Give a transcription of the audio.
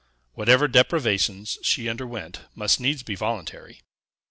Whatever deprivations she underwent must needs be voluntary.